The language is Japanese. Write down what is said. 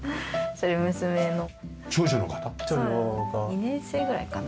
２年生ぐらいかな？